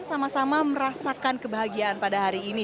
sama sama merasakan kebahagiaan pada hari ini